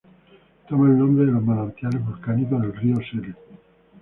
Toma el nombre de los manantiales volcánicos del río Sele.